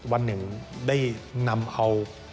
วันหนึ่งได้นำเอา